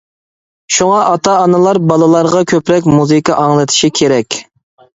شۇڭا ئاتا-ئانىلار بالىلارغا كۆپرەك مۇزىكا ئاڭلىتىشى كېرەك.